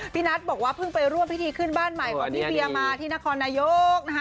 นัทบอกว่าเพิ่งไปร่วมพิธีขึ้นบ้านใหม่ของพี่เวียมาที่นครนายกนะคะ